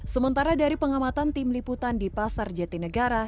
sementara dari pengamatan tim liputan di pasar jatinegara